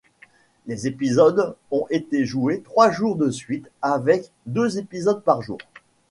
Les épisodes ont été joués trois jours de suite, avec deux épisodes par jour.